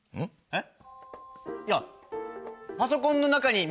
えっ？